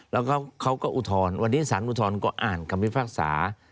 แล้วก็เขาก็อุทธรวันนี้ศาลอุทธรก็อ่านกรรมภาษา